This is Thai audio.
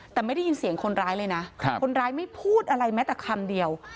แต่ไม่ได้ยินเสียงคนร้ายเลยนะคนร้ายไม่พูดอะไรแม้แต่คำเดียว